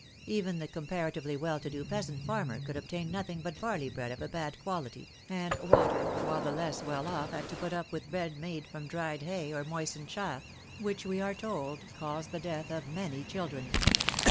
Even the comparatively well to do peasant farmer could obtain nothing but barley bread of a bad quality, and water, while the less well off had to put up with bread made from dried hay or moistened chaff, which we are told " caused the death of many children."